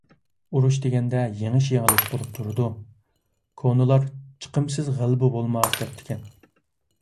ئۇرۇش دېگەندە يېڭىش - يېڭىلىش بولۇپ تۇرىدۇ، كونىلار «چىقىمسىز غەلىبە بولماس» دەپتىكەن.